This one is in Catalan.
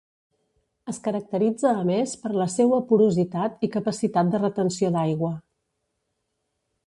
Es caracteritza a més per la seua porositat i capacitat de retenció d'aigua.